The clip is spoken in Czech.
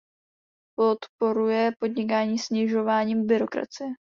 Podporujte podnikání snižováním byrokracie.